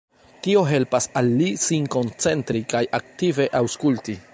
Tio helpas al li sin koncentri kaj aktive aŭskulti.